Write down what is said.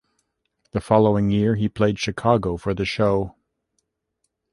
The following year he played "Chicago" for the show.